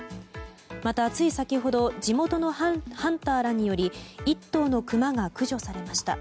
また、つい先ほど地元のハンターらにより１頭のクマが駆除されました。